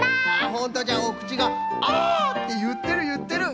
ホントじゃおくちがあっていってるいってる。